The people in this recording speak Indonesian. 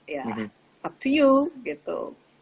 sama sama dengan anda